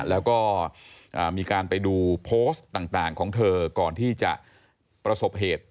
แล้วก็มีการไปดูโพสต์ต่างของเธอก่อนที่จะประสบเหตุ